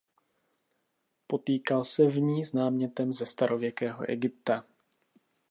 Potýkal se v ní s námětem ze starověkého Egypta.